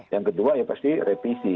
yang kedua ya pasti revisi